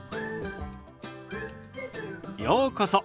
ようこそ。